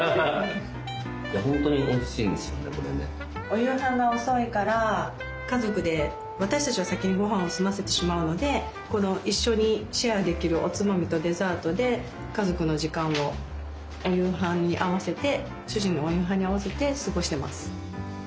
お夕飯が遅いから家族で私たちは先にごはんを済ませてしまうのでこの一緒にシェアできるおつまみとデザートで家族の時間を主人のお夕飯に合わせて過ごしてます。